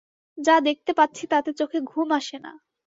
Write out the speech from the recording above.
যা দেখতে পাচ্ছি তাতে চোখে ঘুম আসে না।